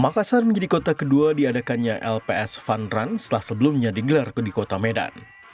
makassar menjadi kota kedua diadakannya lps fun run setelah sebelumnya digelar di kota medan